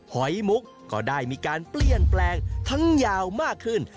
หอยมุกก็ได้มีการเปลี่ยนแปลงทั้งยาวมากขึ้น